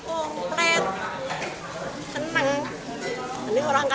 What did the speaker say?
dalam sehari panitia sedikitnya menghabiskan sekitar lima puluh kg beras